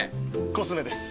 コスメです。